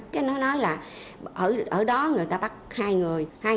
cái đó nói là ở đó người ta bắt hai người